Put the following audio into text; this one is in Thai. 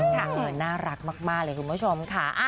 น่ารักมากเลยคุณผู้ชมค่ะ